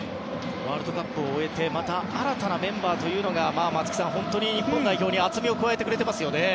ワールドカップを終えてまた新たなメンバーというのが松木さん、本当に日本代表に厚みを加えてくれていますよね。